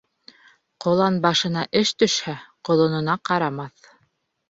Ҡолан башына эш төшһә, ҡолонона ҡарамаҫ.